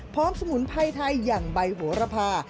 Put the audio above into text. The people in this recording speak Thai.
พร้อมสมุนไพรไทยอย่างใบหัวระพา